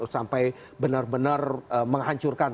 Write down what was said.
sampai benar benar menghancurkan